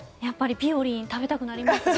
ぴよりん食べたくなりました！